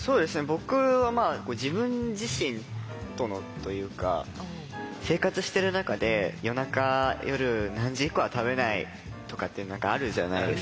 僕は自分自身とのというか生活してる中で夜中夜何時以降は食べないとかって何かあるじゃないですか。